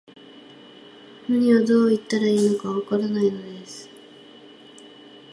何を、どう言ったらいいのか、わからないのです